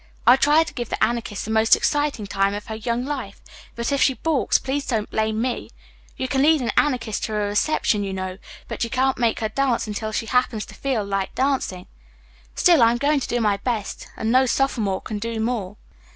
I'll try to give the Anarchist the most exciting time of her young life, but if she balks please don't blame me. You can lead an Anarchist to a reception, you know, but you can't make her dance unless she happens to feel like dancing. Still, I am going to do my best, and no sophomore can do more."